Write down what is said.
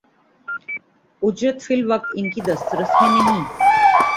اجرت فی الوقت ان کی دسترس میں نہیں